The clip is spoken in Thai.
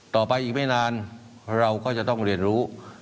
ต่อไปอีกไม่นานเราก็จะต้องเรียนรู้